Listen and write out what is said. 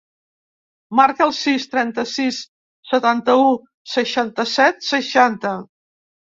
Marca el sis, trenta-sis, setanta-u, seixanta-set, seixanta.